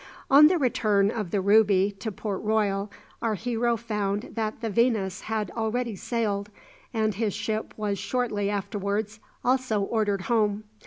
On the return of the "Ruby" to Port Royal, our hero found that the "Venus" had already sailed, and his ship was shortly afterwards also ordered home.